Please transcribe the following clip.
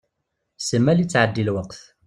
Simmal ittɛeddi lweqt.